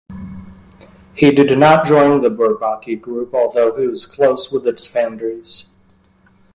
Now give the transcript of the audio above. He did not join the Bourbaki group, although he was close with its founders.